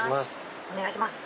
お願いします。